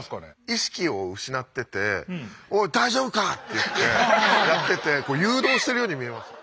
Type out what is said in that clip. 意識を失ってて「おい大丈夫か？」って言ってやってて誘導してるように見えます。